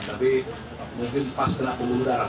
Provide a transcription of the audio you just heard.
tapi mungkin pas kena peluru darah